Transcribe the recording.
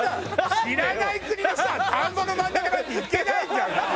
知らない国の人は田んぼの真ん中なんて行けないじゃん普通。